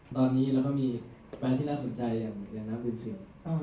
ตอนนี้เราก็มีแฟนที่น่าสนใจอย่างนับกุญเชียง